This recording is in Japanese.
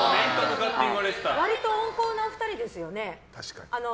割と温厚なお二人ですよね。